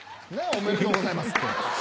「おめでとうございます」って。